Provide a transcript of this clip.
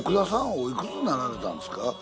おいくつになられたんですか？